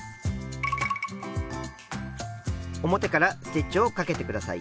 表からステッチをかけてください。